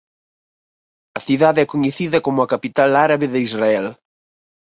A cidade é coñecida como a "capital árabe de Israel".